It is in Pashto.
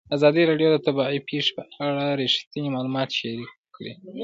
ازادي راډیو د طبیعي پېښې په اړه رښتیني معلومات شریک کړي.